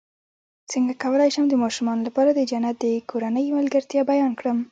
څنګه کولی شم د ماشومانو لپاره د جنت د کورنۍ ملګرتیا بیان کړم